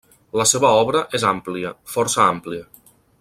La seva obra és àmplia, força àmplia.